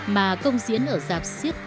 mà công diễn ở giáp sông